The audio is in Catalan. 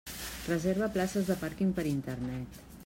Reserva places de pàrquing per Internet.